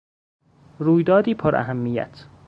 رویدادی پراهمیت